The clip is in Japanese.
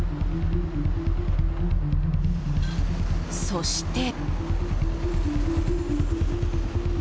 そして。